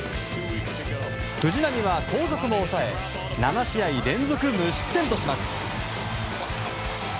藤浪は後続も抑え７試合連続無失点とします。